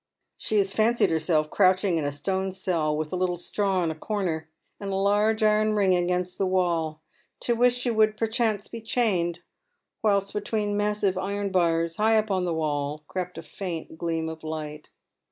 She has fancied her self croucliing in a stone cell, with a little straw in a corner, and a large iron ring against the wall, to which she would perchance be chained, while between massive iron bars, high up in the wall, crept a faint gleam of light.